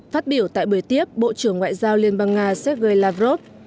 phát biểu tại buổi tiếp bộ trưởng ngoại giao liên bang nga sergei lavrov